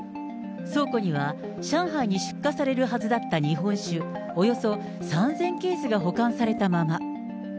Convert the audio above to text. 倉庫には上海に出荷されるはずだった日本酒およそ３０００ケースが保管されたまま。